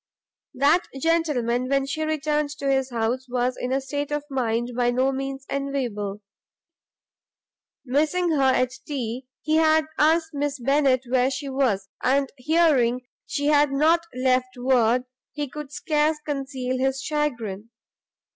That gentleman, when she returned to his house, was in a state of mind by no means enviable. Missing her at tea, he had asked Miss Bennet where she was, and hearing she had not left word, he could scarce conceal his chagrin.